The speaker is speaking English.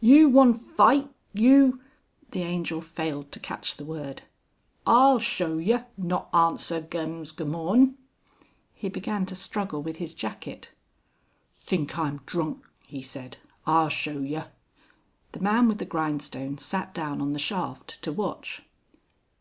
"You wan fight, you " the Angel failed to catch the word. "I'll show yer, not answer gem's goomorn." He began to struggle with his jacket. "Think I'm drun," he said, "I show yer." The man with the grindstone sat down on the shaft to watch.